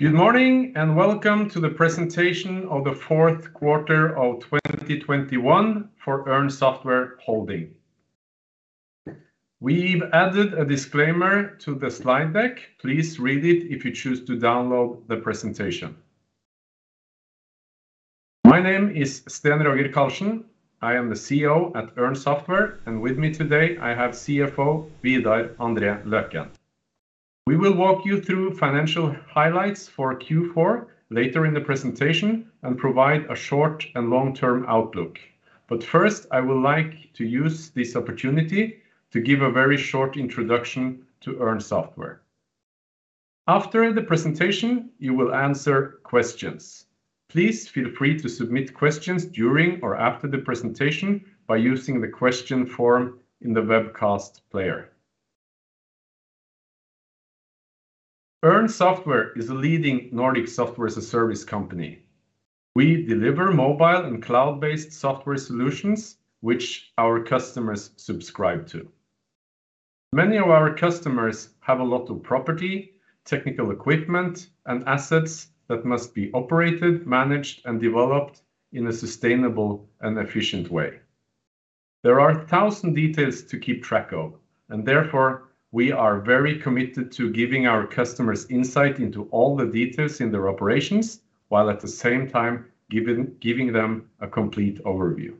Good morning, and welcome to the presentation of the fourth quarter of 2021 for Ørn Software Holding. We've added a disclaimer to the slide deck. Please read it if you choose to download the presentation. My name is Sten-Roger Karlsen. I am the CEO at Ørn Software, and with me today I have CFO Vidar André Løken. We will walk you through financial highlights for Q4 later in the presentation, and provide a short and long-term outlook. First, I would like to use this opportunity to give a very short introduction to Ørn Software. After the presentation, we will answer questions. Please feel free to submit questions during or after the presentation by using the question form in the webcast player. Ørn Software is a leading Nordic software as a service company. We deliver mobile and cloud-based software solutions which our customers subscribe to. Many of our customers have a lot of property, technical equipment, and assets that must be operated, managed, and developed in a sustainable and efficient way. There are 1,000 details to keep track of, and therefore we are very committed to giving our customers insight into all the details in their operations, while at the same time giving them a complete overview.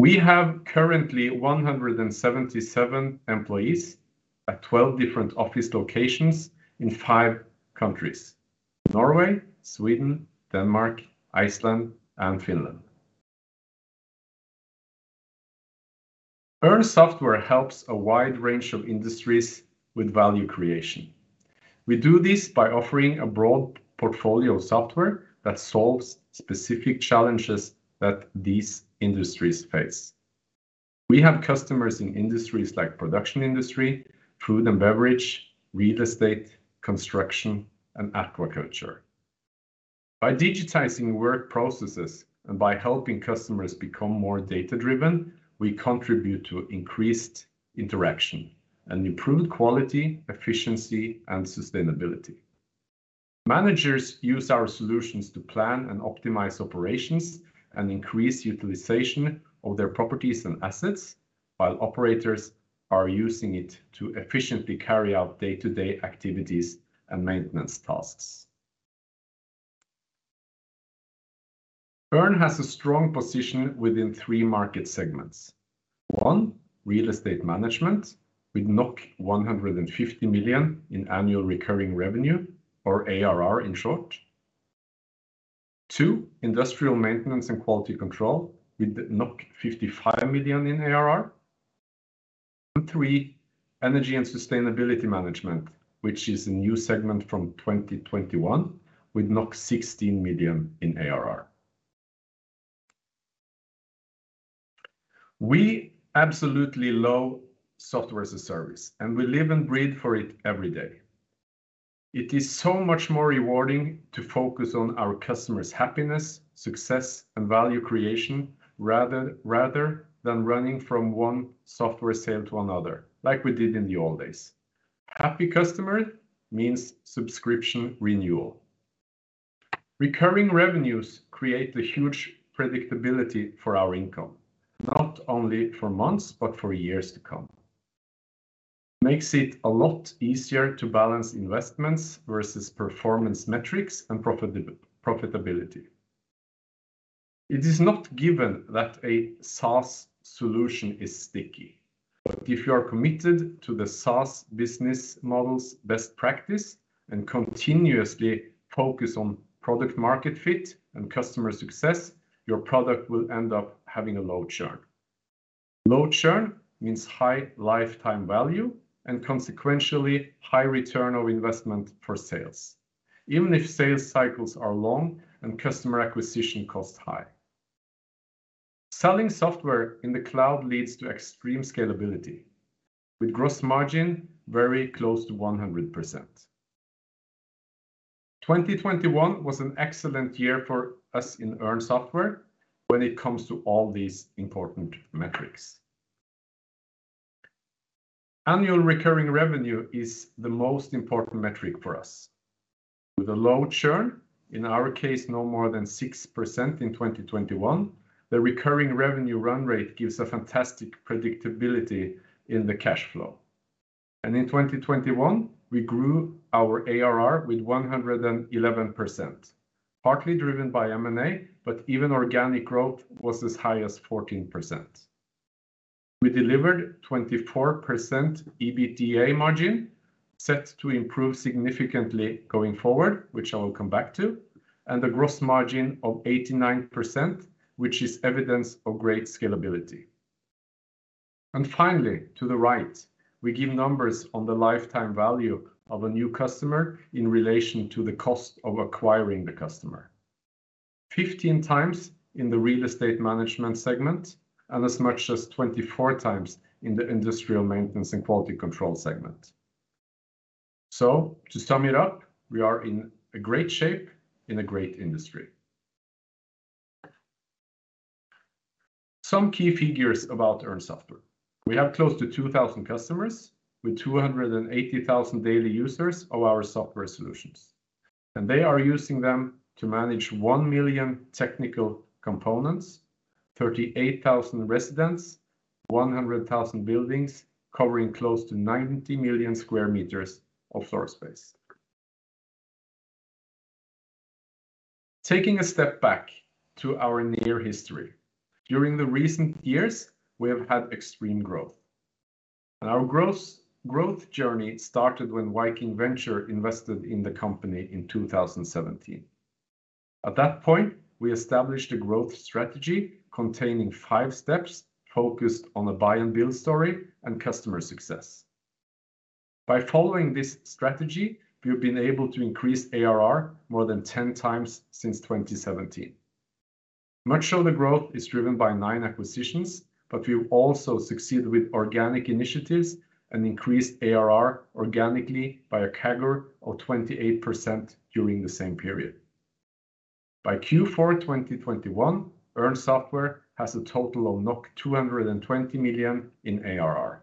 We have currently 177 employees at 12 different office locations in five countries: Norway, Sweden, Denmark, Iceland, and Finland. Ørn Software helps a wide range of industries with value creation. We do this by offering a broad portfolio of software that solves specific challenges that these industries face. We have customers in industries like production industry, food and beverage, real estate, construction, and aquaculture. By digitizing work processes and by helping customers become more data-driven, we contribute to increased interaction and improved quality, efficiency, and sustainability. Managers use our solutions to plan and optimize operations and increase utilization of their properties and assets, while operators are using it to efficiently carry out day-to-day activities and maintenance tasks. Ørn has a strong position within three market segments. One, real estate management, with 150 million in annual recurring revenue, or ARR in short. Two, industrial maintenance and quality control with 55 million in ARR. Three, energy and sustainability management, which is a new segment from 2021 with 16 million in ARR. We absolutely love software as a service, and we live and breathe for it every day. It is so much more rewarding to focus on our customers' happiness, success, and value creation, rather than running from one software sale to another like we did in the old days. Happy customer means subscription renewal. Recurring revenues create a huge predictability for our income, not only for months, but for years to come. Makes it a lot easier to balance investments versus performance metrics and profitability. It is not given that a SaaS solution is sticky, but if you are committed to the SaaS business model's best practice and continuously focus on product market fit and customer success, your product will end up having a low churn. Low churn means high lifetime value and consequently high return of investment per sales, even if sales cycles are long and customer acquisition costs high. Selling software in the cloud leads to extreme scalability, with gross margin very close to 100%. 2021 was an excellent year for us in Ørn Software when it comes to all these important metrics. Annual recurring revenue is the most important metric for us. With a low churn, in our case no more than 6% in 2021, the recurring revenue run rate gives a fantastic predictability in the cash flow. In 2021 we grew our ARR with 111%, partly driven by M&A, but even organic growth was as high as 14%. We delivered 24% EBITDA margin, set to improve significantly going forward, which I will come back to, and a gross margin of 89%, which is evidence of great scalability. Finally, to the right, we give numbers on the lifetime value of a new customer in relation to the cost of acquiring the customer. 15 times in the real estate management segment, and as much as 24 times in the industrial maintenance and quality control segment. To sum it up, we are in a great shape in a great industry. Some key figures about Ørn Software. We have close to 2,000 customers with 280,000 daily users of our software solutions, and they are using them to manage 1 million technical components, 38,000 residents, 100,000 buildings, covering close to 90 million sq m of floor space. Taking a step back to our near history. During the recent years, we have had extreme growth, and our gross growth journey started when Viking Venture invested in the company in 2017. At that point, we established a growth strategy containing five steps focused on a buy and build story and customer success. By following this strategy, we've been able to increase ARR more than 10 times since 2017. Much of the growth is driven by nine acquisitions, but we've also succeeded with organic initiatives and increased ARR organically by a CAGR of 28% during the same period. By Q4 2021, Ørn Software has a total of 220 million in ARR.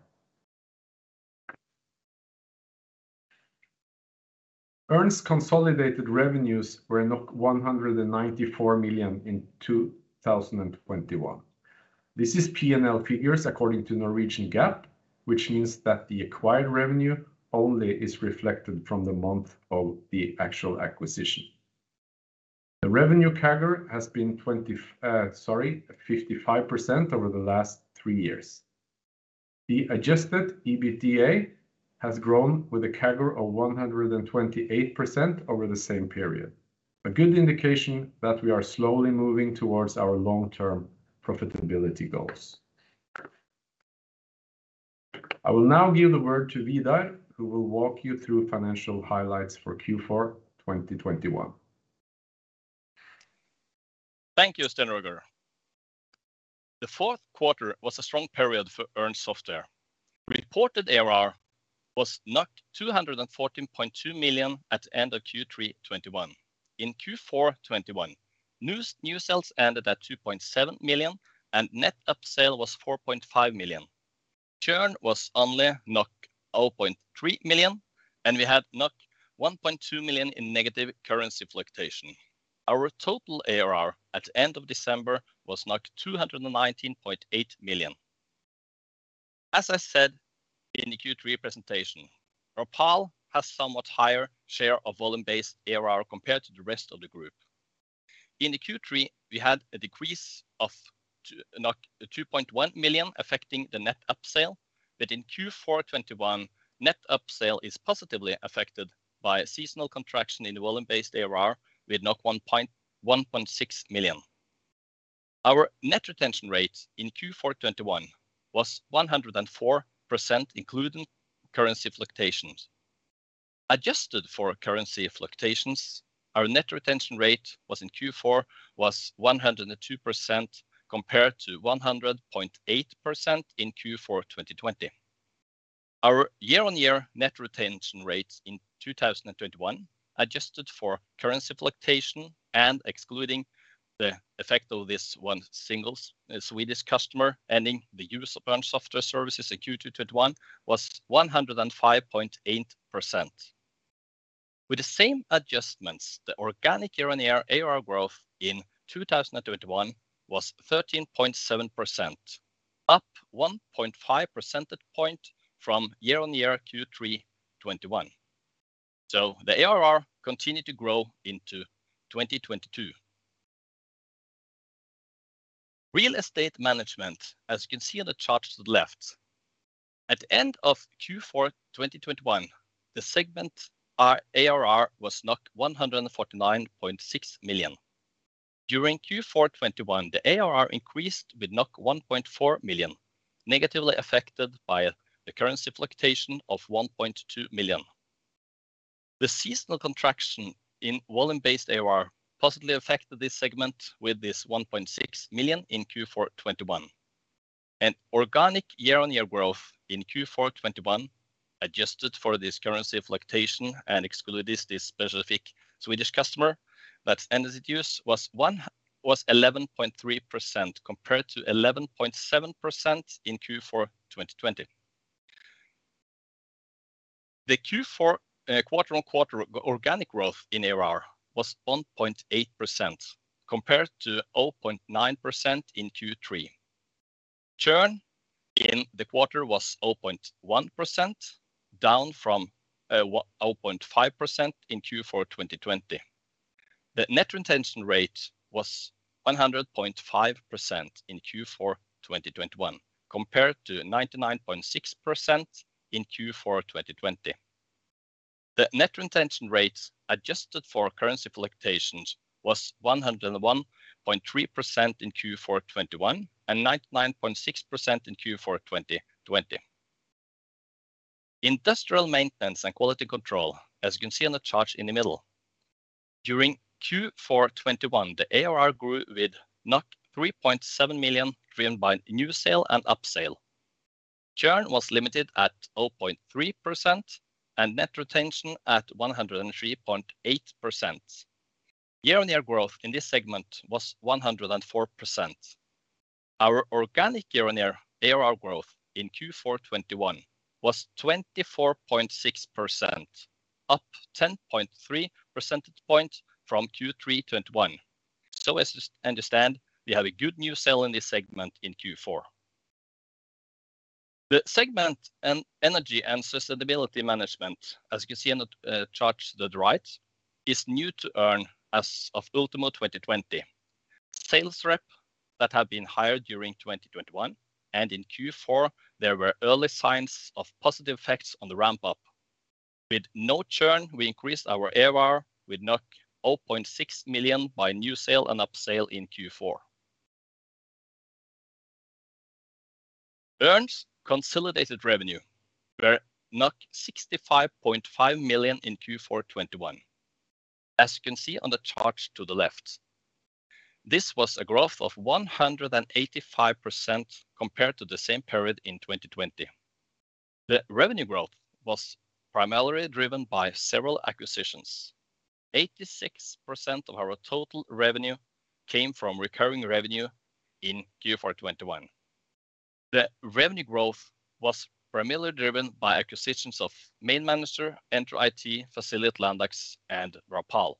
Ørn's consolidated revenues were 194 million in 2021. This is P&L figures according to Norwegian GAAP, which means that the acquired revenue only is reflected from the month of the actual acquisition. The revenue CAGR has been 55% over the last three years. The adjusted EBITDA has grown with a CAGR of 128% over the same period, a good indication that we are slowly moving towards our long-term profitability goals. I will now give the word to Vidar, who will walk you through financial highlights for Q4 2021. Thank you, Sten-Roger. The fourth quarter was a strong period for Ørn Software. Reported ARR was 214.2 million at end of Q3 2021. In Q4 2021, new sales ended at 2.7 million, and net upsale was 4.5 million. Churn was only 0.3 million, and we had 1.2 million in negative currency fluctuation. Our total ARR at end of December was 219.8 million. As I said in the Q3 presentation, Rapal has somewhat higher share of volume-based ARR compared to the rest of the group. In Q3, we had a decrease of 2.1 million affecting the net upsale, but in Q4 2021, net upsale is positively affected by a seasonal contraction in the volume-based ARR with 1.6 million. Our net retention rates in Q4 2021 was 104%, including currency fluctuations. Adjusted for currency fluctuations, our net retention rate was in Q4 102% compared to 100.8% in Q4 2020. Our year-on-year net retention rates in 2021, adjusted for currency fluctuation and excluding the effect of this one single Swedish customer ending the use of Ørn Software services in Q2 2021 was 105.8%. With the same adjustments, the organic year-on-year ARR growth in 2021 was 13.7%, up 1.5 percentage point from year-on-year Q3 2021. The ARR continued to grow into 2022. Real estate management, as you can see on the charts to the left. At the end of Q4 2021, the segment our ARR was 149.6 million. During Q4 2021, the ARR increased with 1.4 million, negatively affected by a currency fluctuation of 1.2 million. The seasonal contraction in volume-based ARR positively affected this segment with 1.6 million in Q4 2021. Organic year-on-year growth in Q4 2021, adjusted for this currency fluctuation and excluding this specific Swedish customer that's ended use was 11.3% compared to 11.7% in Q4 2020. The Q4 quarter-on-quarter organic growth in ARR was 1.8% compared to 0.9% in Q3. Churn in the quarter was 0.1%, down from 0.5% in Q4 2020. The net retention rate was 100.5% in Q4 2021 compared to 99.6% in Q4 2020. The net retention rates, adjusted for currency fluctuations, was 101.3% in Q4 2021 and 99.6% in Q4 2020. Industrial maintenance and quality control, as you can see on the charts in the middle. During Q4 2021, the ARR grew with 3.7 million driven by new sale and up sale. Churn was limited at 0.3% and net retention at 103.8%. Year-on-year growth in this segment was 104%. Our organic year-on-year ARR growth in Q4 2021 was 24.6%, up 10.3 percentage points from Q3 2021. As you understand, we have a good new sale in this segment in Q4. The segment and energy and sustainability management, as you can see on the charts to the right, is new to Ørn as of ultimo 2020. Sales rep that have been hired during 2021 and in Q4 there were early signs of positive effects on the ramp up. With no churn, we increased our ARR with 0.6 million by new sale and up sale in Q4. Ørn's consolidated revenue were 65.5 million in Q4 2021 as you can see on the charts to the left. This was a growth of 185% compared to the same period in 2020. The revenue growth was primarily driven by several acquisitions. 86% of our total revenue came from recurring revenue in Q4 2021. The revenue growth was primarily driven by acquisitions of MainManager, Entro IT, Facilit, Landax, and Rapal.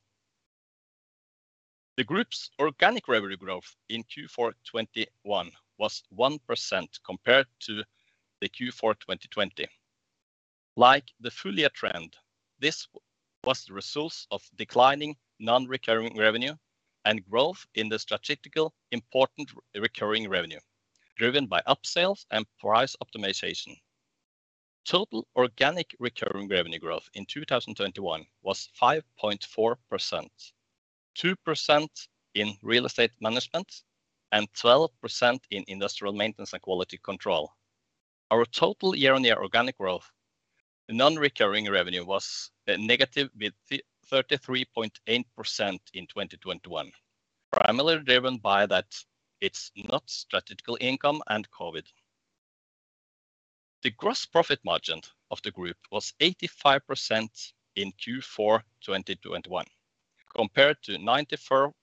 The group's organic revenue growth in Q4 2021 was 1% compared to Q4 2020. Like the full year trend, this was the result of declining non-recurring revenue and growth in the strategic important recurring revenue driven by upsells and price optimization. Total organic recurring revenue growth in 2021 was 5.4%, 2% in real estate management and 12% in industrial maintenance and quality control. Our total year-on-year organic growth non-recurring revenue was negative 33.8% in 2021, primarily driven by non-strategic income and COVID. The gross profit margin of the group was 85% in Q4 2021 compared to 94%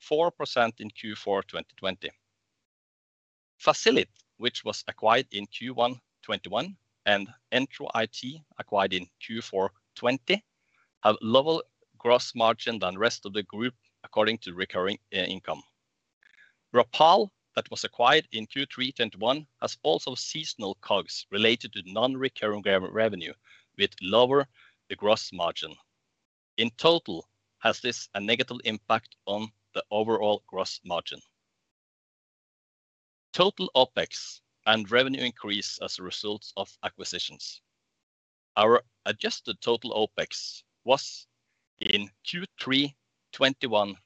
in Q4 2020. Facilit, which was acquired in Q1 2021 and Entro IT acquired in Q4 2020, have lower gross margin than rest of the group according to recurring income. Rapal, that was acquired in Q3 2021, has also seasonal costs related to non-recurring revenue with lower gross margin. In total, this has a negative impact on the overall gross margin. Total OPEX and revenue increase as a result of acquisitions. Our adjusted total OPEX was reported in Q3 2021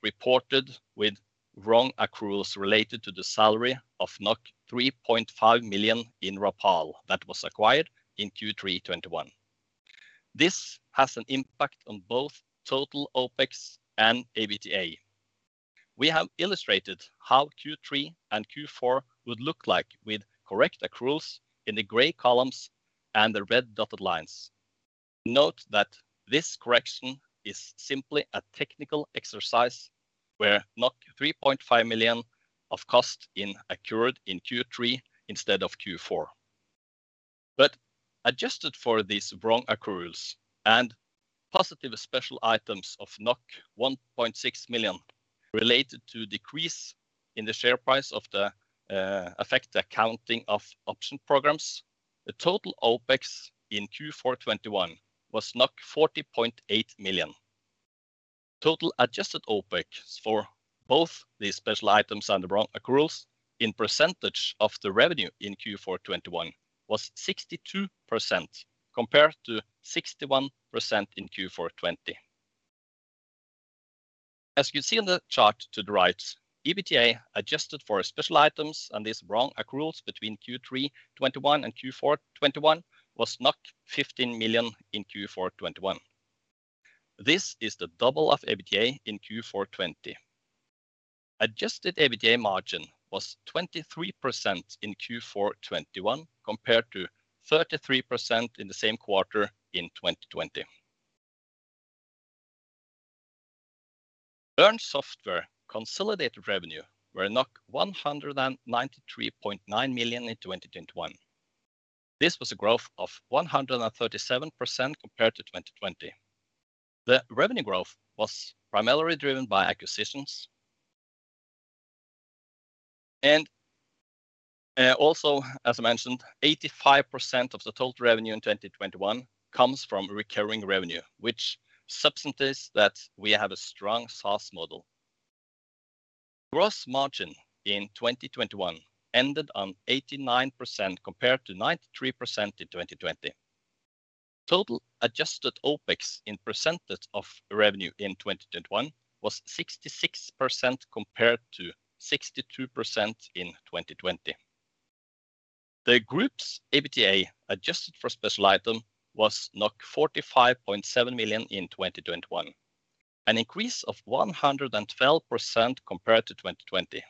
with wrong accruals related to the salary of 3.5 million in Rapal that was acquired in Q3 2021. This has an impact on both total OPEX and EBITDA. We have illustrated how Q3 and Q4 would look like with correct accruals in the gray columns and the red dotted lines. Note that this correction is simply a technical exercise where 3.5 million of costs accrued in Q3 instead of Q4. Adjusted for these wrong accruals and positive special items of 1.6 million related to decrease in the share price of the effective accounting of option programs, the total OPEX in Q4 2021 was 40.8 million. Total adjusted OPEX for both the special items and the wrong accruals as a percentage of the revenue in Q4 2021 was 62% compared to 61% in Q4 2020. As you can see on the chart to the right, EBITDA adjusted for special items and these wrong accruals between Q3 2021 and Q4 2021 was 15 million in Q4 2021. This is the double of EBITDA in Q4 2020. Adjusted EBITDA margin was 23% in Q4 2021 compared to 33% in the same quarter in 2020. Ørn Software consolidated revenue were 193.9 million in 2021. This was a growth of 137% compared to 2020. The revenue growth was primarily driven by acquisitions. Also as I mentioned, 85% of the total revenue in 2021 comes from recurring revenue, which substantiates that we have a strong SaaS model. Gross margin in 2021 ended on 89% compared to 93% in 2020. Total adjusted OPEX in percentage of revenue in 2021 was 66% compared to 62% in 2020. The group's EBITDA adjusted for special item was 45.7 million in 2021. An increase of 112% compared to 2020.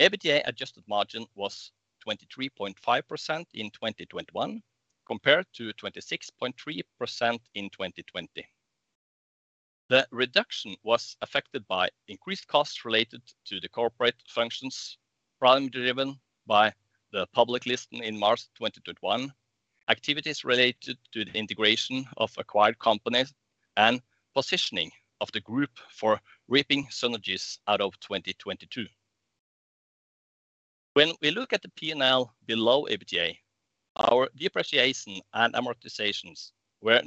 EBITDA adjusted margin was 23.5% in 2021 compared to 26.3% in 2020. The reduction was affected by increased costs related to the corporate functions, primarily driven by the public listing in March 2021, activities related to the integration of acquired companies and positioning of the group for reaping synergies out of 2022. When we look at the P&L below EBITDA, our depreciation and amortizations were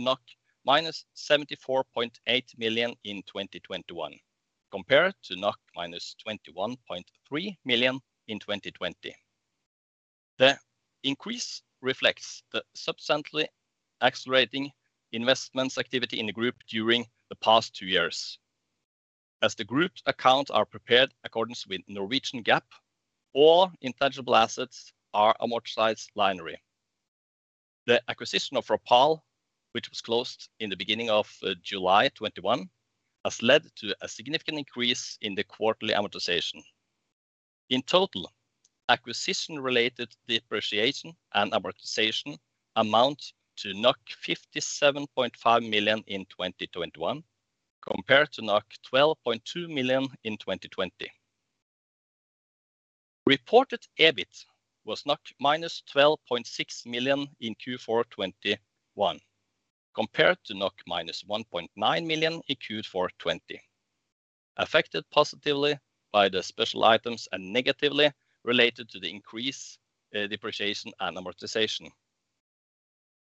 -74.8 million in 2021 compared to -21.3 million in 2020. The increase reflects the substantially accelerating investment activity in the group during the past two years. As the group's accounts are prepared in accordance with Norwegian GAAP, all intangible assets are amortized linearly. The acquisition of Rapal, which was closed in the beginning of July 2021, has led to a significant increase in the quarterly amortization. In total, acquisition-related depreciation and amortization amount to 57.5 million in 2021 compared to 12.2 million in 2020. Reported EBIT was -12.6 million in Q4 2021 compared to -1.9 million in Q4 2020. Affected positively by the special items and negatively related to the increased depreciation and amortization.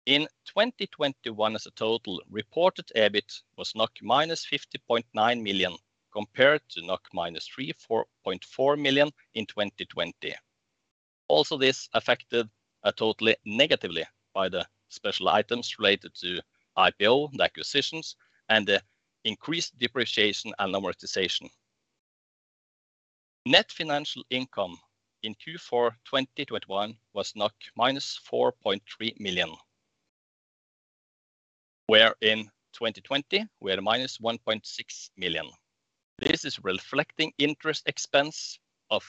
In 2021 as a total reported EBIT was -50.9 million compared to -3.4 million in 2020. Also, this affected totally negatively by the special items related to IPO and acquisitions and the increased depreciation and amortization. Net financial income in Q4 2021 was -4.3 million. Where in 2020 we had a -1.6 million. This is reflecting interest expense of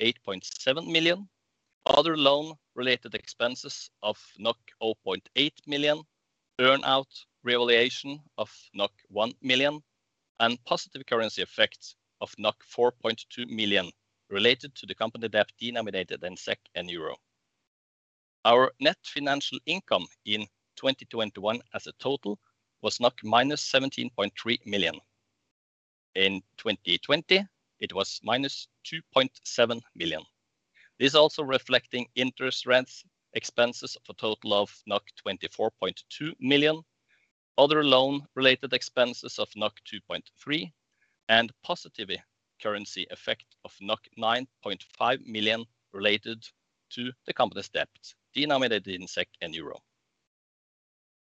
8.7 million, other loan related expenses of 0.8 million, earn-out revaluation of 1 million and positive currency effects of 4.2 million related to the company debt denominated in SEK and euro. Our net financial income in 2021 as a total was -17.3 million. In 2020, it was -2.7 million. This is also reflecting interest and rents, expenses of a total of 24.2 million, other loan related expenses of 2.3 million and positive currency effect of 9.5 million related to the company's debt denominated in SEK and euro.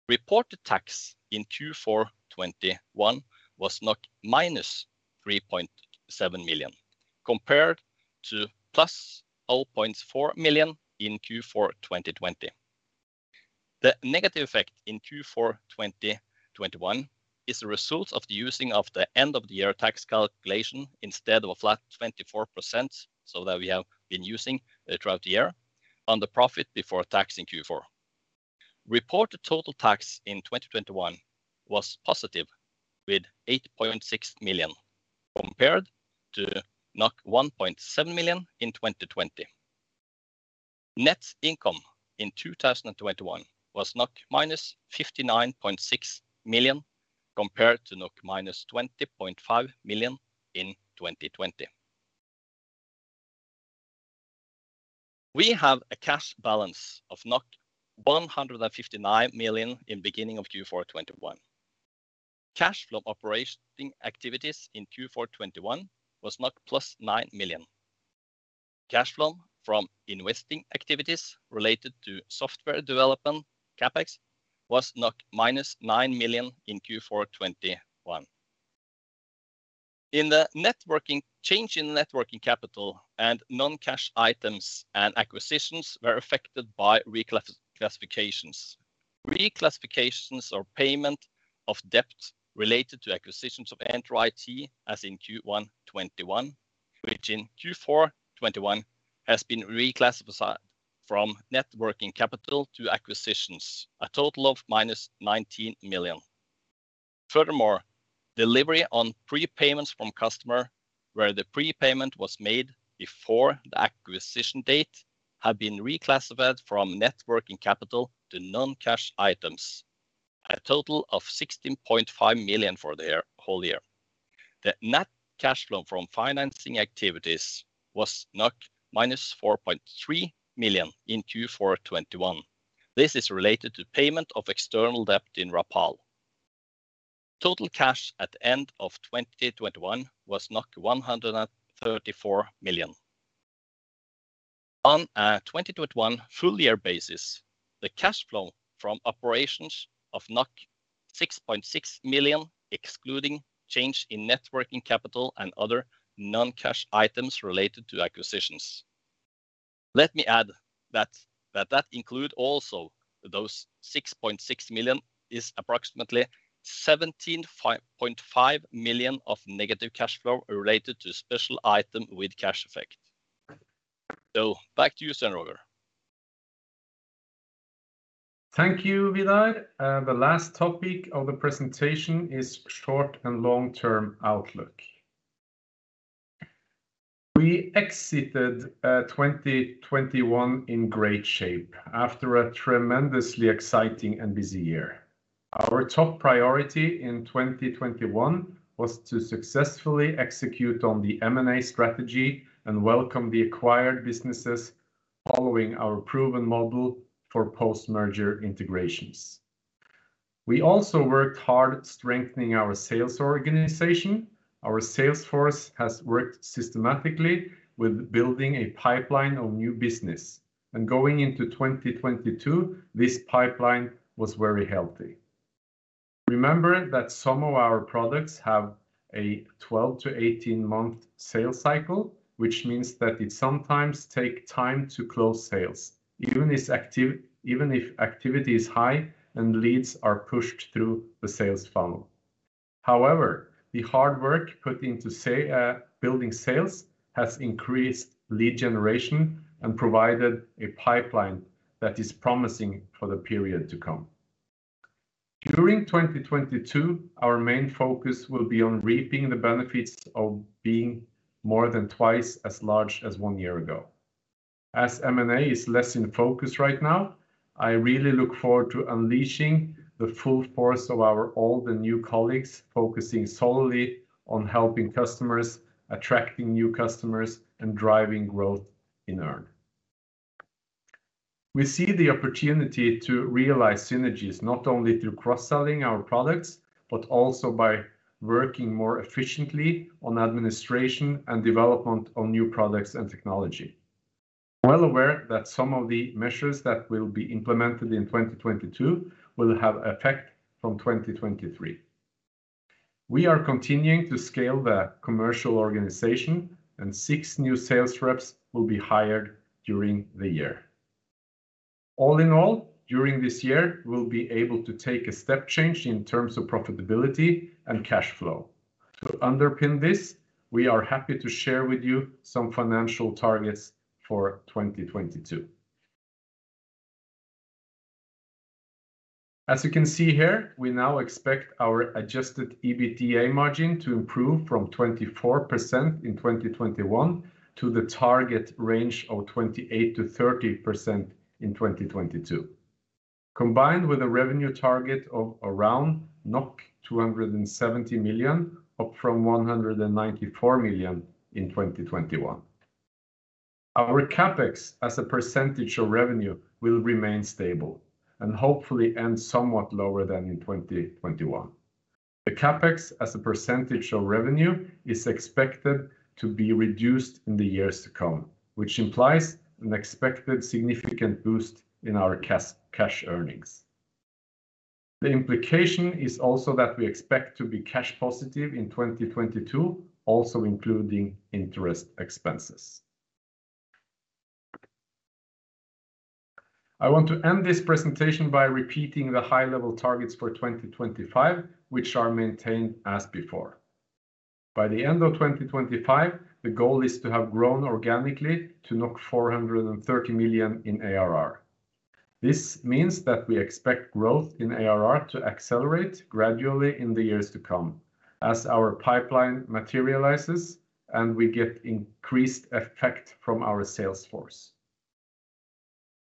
Reported tax in Q4 2021 was -3.7 million compared to 0.4 million in Q4 2020. The negative effect in Q4 2021 is a result of the use of the end of the year tax calculation instead of a flat 24%, so that we have been using throughout the year on the profit before tax in Q4. Reported total tax in 2021 was positive with 8.6 million compared to 1.7 million in 2020. Net income in 2021 was -59.6 million compared to -20.5 million in 2020. We have a cash balance of 159 million in beginning of Q4 2021. Cash from operating activities in Q4 2021 was +9 million. Cash flow from investing activities related to software development CapEx was -9 million in Q4 2021. Change in net working capital and non-cash items and acquisitions were affected by reclassifications. Reclassifications or payment of debt related to acquisitions of Entro IT in Q1 2021, which in Q4 2021 has been reclassified from net working capital to acquisitions, a total of -19 million. Furthermore, delivery on prepayments from customer, where the prepayment was made before the acquisition date have been reclassified from net working capital to non-cash items, a total of 16.5 million for the whole year. The net cash flow from financing activities was -4.3 million in Q4 2021. This is related to payment of external debt in Rapal. Total cash at the end of 2021 was 134 million. On a 2021 full year basis, the cash flow from operations of 6.6 million, excluding change in net working capital and other non-cash items related to acquisitions. Let me add that include also those 6.6 million is approximately 17.5 million of negative cash flow related to special item with cash effect. Back to you, Sten-Roger. Thank you, Vidar. The last topic of the presentation is short and long-term outlook. We exited 2021 in great shape after a tremendously exciting and busy year. Our top priority in 2021 was to successfully execute on the M&A strategy and welcome the acquired businesses following our proven model for post-merger integrations. We also worked hard strengthening our sales organization. Our sales force has worked systematically with building a pipeline of new business, and going into 2022, this pipeline was very healthy. Remember that some of our products have a 12-18-month sales cycle, which means that it sometimes take time to close sales, even if activity is high and leads are pushed through the sales funnel. However, the hard work put into building sales has increased lead generation and provided a pipeline that is promising for the period to come. During 2022, our main focus will be on reaping the benefits of being more than twice as large as one year ago. As M&A is less in focus right now, I really look forward to unleashing the full force of our old and new colleagues, focusing solely on helping customers, attracting new customers, and driving growth in Ørn. We see the opportunity to realize synergies not only through cross-selling our products but also by working more efficiently on administration and development of new products and technology. We are well aware that some of the measures that will be implemented in 2022 will have effect from 2023. We are continuing to scale the commercial organization, and six new sales reps will be hired during the year. All in all, during this year, we'll be able to take a step change in terms of profitability and cash flow. To underpin this, we are happy to share with you some financial targets for 2022. As you can see here, we now expect our adjusted EBITDA margin to improve from 24% in 2021 to the target range of 28%-30% in 2022, combined with a revenue target of around 270 million, up from 194 million in 2021. Our CapEx as a percentage of revenue will remain stable and hopefully end somewhat lower than in 2021. The CapEx as a percentage of revenue is expected to be reduced in the years to come, which implies an expected significant boost in our cash earnings. The implication is also that we expect to be cash positive in 2022, also including interest expenses. I want to end this presentation by repeating the high-level targets for 2025, which are maintained as before. By the end of 2025, the goal is to have grown organically to 430 million in ARR. This means that we expect growth in ARR to accelerate gradually in the years to come as our pipeline materializes and we get increased effect from our sales force.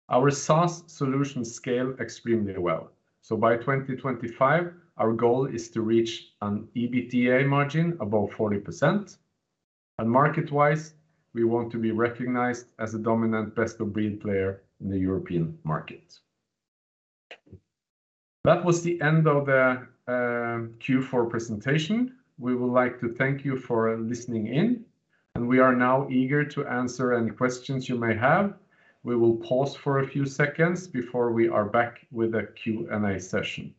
Our SaaS solutions scale extremely well, so by 2025, our goal is to reach an EBITDA margin above 40%, and market-wise, we want to be recognized as a dominant best-of-breed player in the European market. That was the end of the Q4 presentation. We would like to thank you for listening in, and we are now eager to answer any questions you may have. We will pause for a few seconds before we are back with a Q&A session.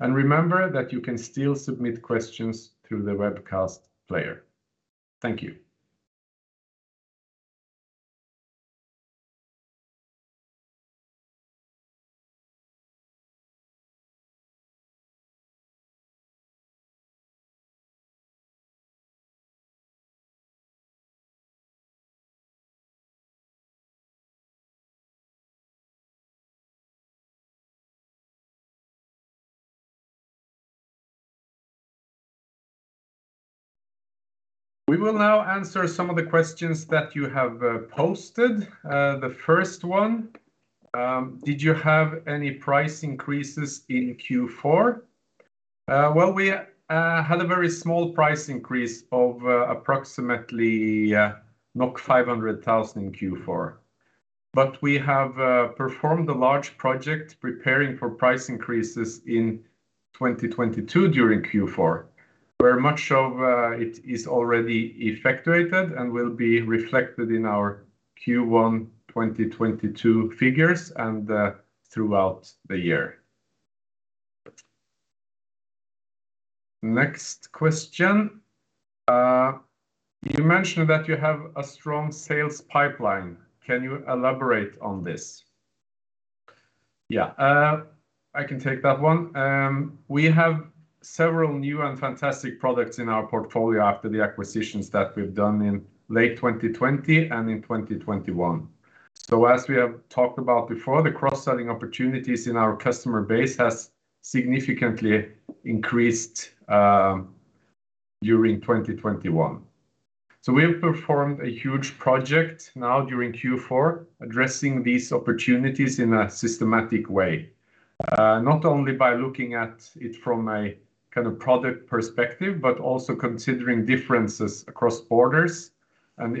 Remember that you can still submit questions through the webcast player. Thank you. We will now answer some of the questions that you have posted. The first one: Did you have any price increases in Q4? We had a very small price increase of approximately 500 thousand in Q4. We have performed a large project preparing for price increases in 2022 during Q4, where much of it is already effectuated and will be reflected in our Q1 2022 figures and throughout the year. Next question. You mentioned that you have a strong sales pipeline. Can you elaborate on this? Yeah, I can take that one. We have several new and fantastic products in our portfolio after the acquisitions that we've done in late 2020 and in 2021. As we have talked about before, the cross-selling opportunities in our customer base has significantly increased during 2021. We've performed a huge project now during Q4 addressing these opportunities in a systematic way, not only by looking at it from a kind of product perspective, but also considering differences across borders and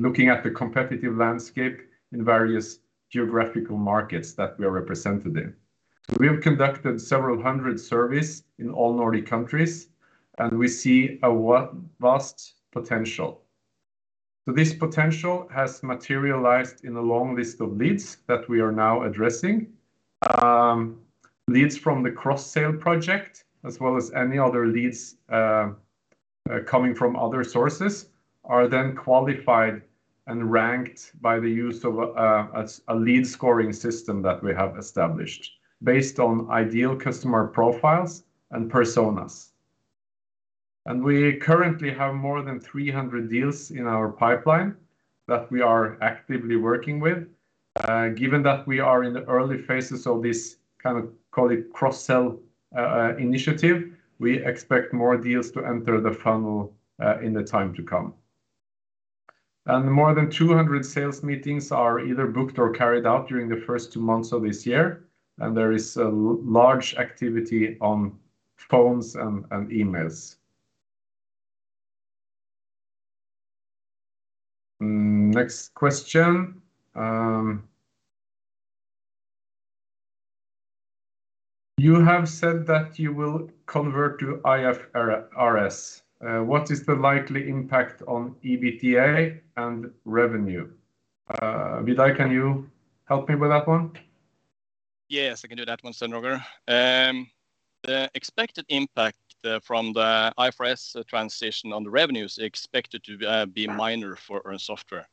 looking at the competitive landscape in various geographical markets that we are represented in. We have conducted several hundred surveys in all Nordic countries, and we see a vast potential. This potential has materialized in a long list of leads that we are now addressing. Leads from the cross-sale project, as well as any other leads coming from other sources, are then qualified and ranked by the use of a lead scoring system that we have established based on ideal customer profiles and personas. We currently have more than 300 deals in our pipeline that we are actively working with. Given that we are in the early phases of this, kind of, call it cross-sell initiative, we expect more deals to enter the funnel in the time to come. More than 200 sales meetings are either booked or carried out during the first two months of this year, and there is a large activity on phones and emails. Next question. You have said that you will convert to IFRS. What is the likely impact on EBITDA and revenue? Vidar, can you help me with that one? Yes, I can do that one, Sten-Roger. The expected impact from the IFRS transition on the revenue is expected to be minor for Ørn Software.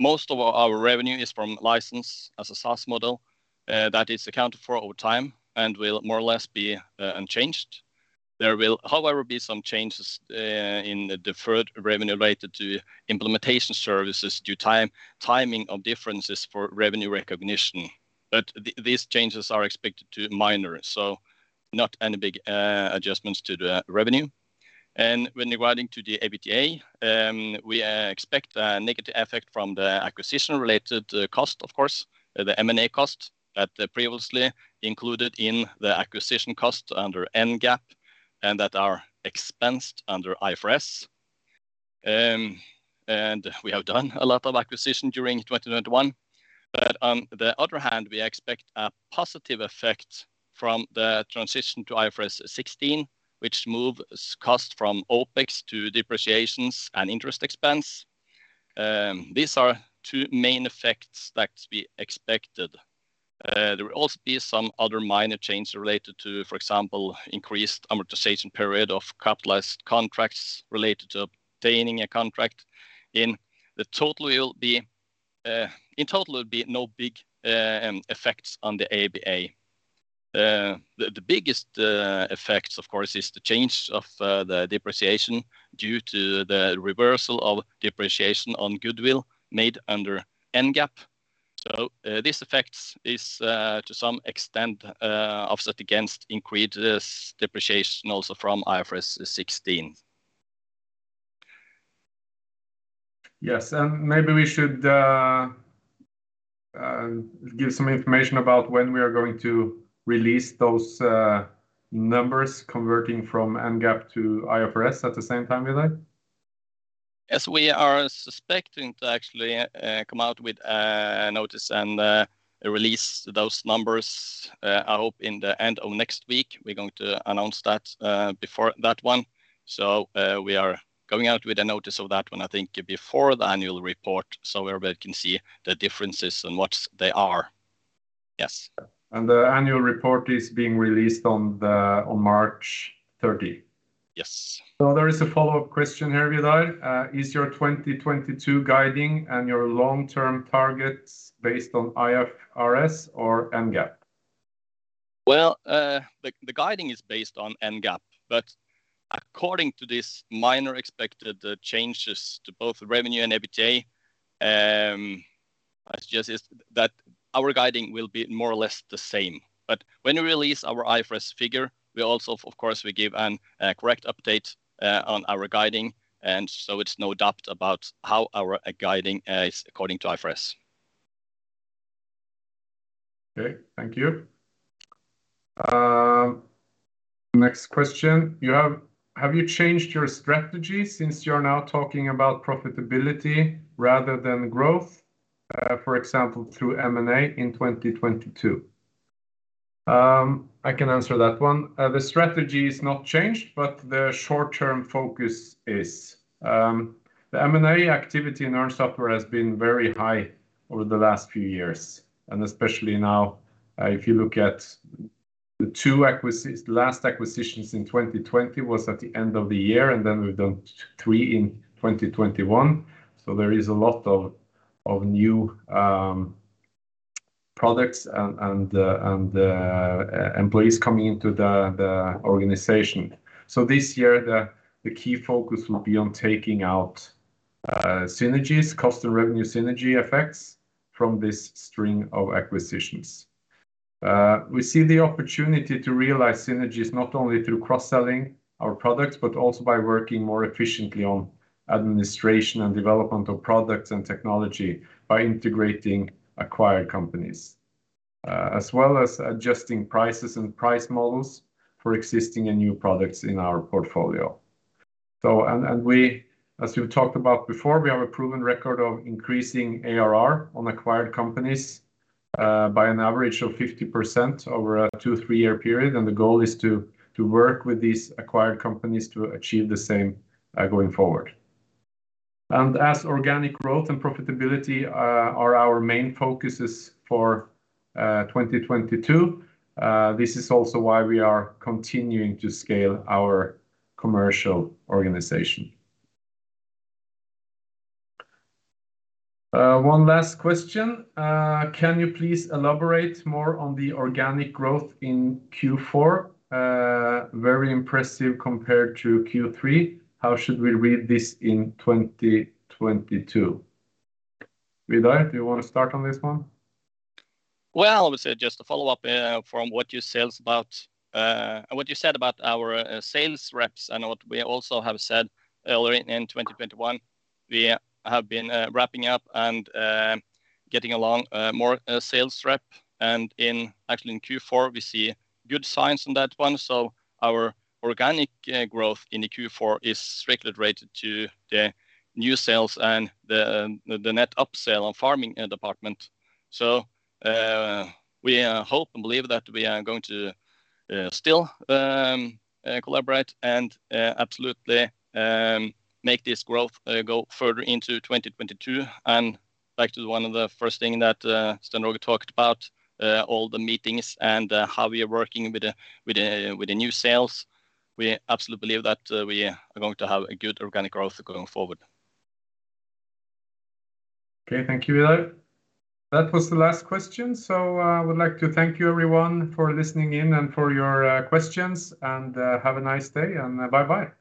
Most of our revenue is from license as a SaaS model that is accounted for over time and will more or less be unchanged. There will, however, be some changes in the deferred revenue related to implementation services due to timing of differences for revenue recognition. These changes are expected to be minor, so not any big adjustments to the revenue. When regarding to the EBITDA, we expect a negative effect from the acquisition-related cost, of course, the M&A cost that previously included in the acquisition cost under NGAAP and that are expensed under IFRS. We have done a lot of acquisition during 2021. On the other hand, we expect a positive effect from the transition to IFRS 16, which moves cost from OPEX to depreciations and interest expense. These are two main effects that we expected. There will also be some other minor changes related to, for example, increased amortization period of capitalized contracts related to obtaining a contract. In total, there will be no big effects on the EBITDA. The biggest effects, of course, is the change of the depreciation due to the reversal of depreciation on goodwill made under NGAAP. This effect is, to some extent, offset against increased depreciation also from IFRS 16. Yes. Maybe we should give some information about when we are going to release those numbers converting from NGAAP to IFRS at the same time, Vidar? Yes, we are expecting to actually come out with a notice and release those numbers, I hope in the end of next week. We're going to announce that before that one. We are going out with a notice of that one I think before the annual report, so everybody can see the differences and what they are. Yes. The annual report is being released on March 30. Yes. There is a follow-up question here, Vidar. Is your 2022 guidance and your long-term targets based on IFRS or NGAAP? Well, the guiding is based on NGAAP, but according to this minor expected changes to both revenue and EBITDA, I suggest is that our guiding will be more or less the same. When we release our IFRS figure, we also, of course, we give an correct update on our guiding, and so it's no doubt about how our guiding is according to IFRS. Okay, thank you. Next question. Have you changed your strategy since you're now talking about profitability rather than growth? For example, through M&A in 2022. I can answer that one. The strategy is not changed, but the short-term focus is. The M&A activity in our software has been very high over the last few years, and especially now, if you look at the last acquisitions in 2020 was at the end of the year, and then we've done three in 2021. There is a lot of new products and employees coming into the organization. This year, the key focus will be on taking out synergies, cost and revenue synergy effects from this string of acquisitions. We see the opportunity to realize synergies not only through cross-selling our products, but also by working more efficiently on administration and development of products and technology by integrating acquired companies, as well as adjusting prices and price models for existing and new products in our portfolio. We, as we've talked about before, have a proven record of increasing ARR on acquired companies by an average of 50% over a 2-3-year period, and the goal is to work with these acquired companies to achieve the same going forward. As organic growth and profitability are our main focuses for 2022, this is also why we are continuing to scale our commercial organization. One last question. Can you please elaborate more on the organic growth in Q4? Very impressive compared to Q3. How should we read this in 2022? Vidar, do you wanna start on this one? Well, I would say just to follow up from what you said about our sales reps and what we also have said earlier in 2021, we have been ramping up and hiring more sales reps. Actually in Q4, we see good signs on that one, so our organic growth in the Q4 is strictly related to the new sales and the net upsell on farming department. We hope and believe that we are going to still collaborate and absolutely make this growth go further into 2022. Back to one of the first thing that Sten-Roger Karlsen talked about, all the meetings and how we are working with the new sales, we absolutely believe that we are going to have a good organic growth going forward. Okay. Thank you, Vidar. That was the last question, so I would like to thank you, everyone for listening in and for your questions, and have a nice day and bye-bye.